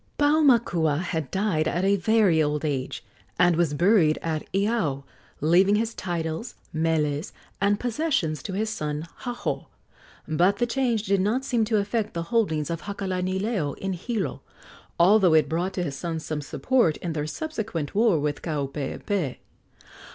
Paumakua had died at a very old age, and was buried at Iao, leaving his titles, meles and possessions to his son, Haho; but the change did not seem to affect the holdings of Hakalanileo in Hilo, although it brought to his sons some support in their subsequent war with Kaupeepee.